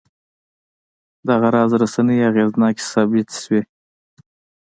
دغه راز رسنۍ اغېزناکې ثابتې شوې.